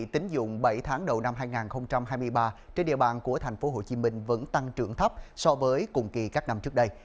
tính dụng bảy tháng đầu năm hai nghìn hai mươi ba trên địa bàn của tp hcm vẫn tăng trưởng thấp so với cùng kỳ các năm trước đây